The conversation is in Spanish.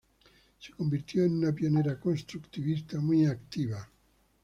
Se convirtió en una pionera constructivista muy activa.